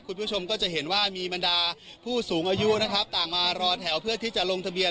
คุณผู้ชมก็จะเห็นว่ามีบรรดาผู้สูงอายุนะครับต่างมารอแถวเพื่อที่จะลงทะเบียน